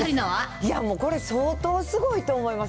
いやもう、これ、相当すごいと思います。